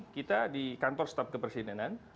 kita di kantor setelah kebersihanan